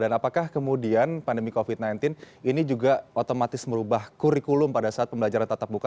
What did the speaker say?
dan apakah kemudian pandemi covid sembilan belas ini juga otomatis merubah kurikulum pada saat pembelajaran tetap buka di kal delapan